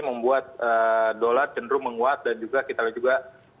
membuat dolar cenderung menguat dan juga kita lihat juga